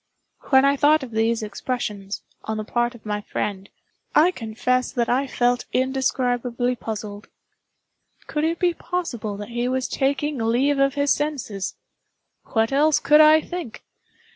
When I thought of these expressions, on the part of my friend, I confess that I felt indescribably puzzled. Could it be possible that he was taking leave of his senses? What else could I think?